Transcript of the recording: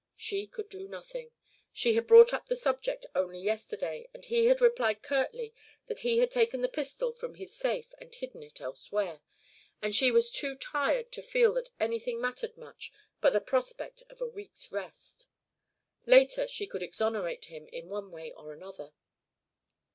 She could do nothing. She had brought up the subject only yesterday, and he had replied curtly that he had taken the pistol from his safe and hidden it elsewhere. And she was too tired to feel that anything mattered much but the prospect of a week's rest. Later she could exonerate him in one way or another.